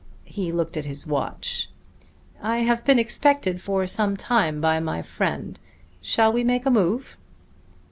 He looked at his watch. "I have been expected for some time by my friend. Shall we make a move?"